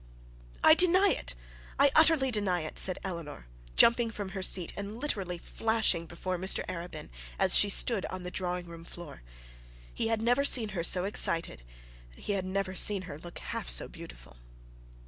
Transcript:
'I deny it. I utterly deny it,' said Eleanor, jumping from her seat, and literally flashing before Mr Arabin, as she stood on the drawing room floor. He had never seen her so excited, he had never seen her look so beautiful.